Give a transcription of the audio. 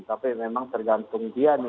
tapi memang tergantung